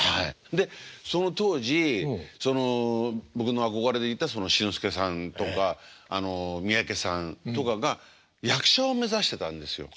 でその当時その僕の憧れていた志の輔さんとか三宅さんとかが役者を目指してたんですよ。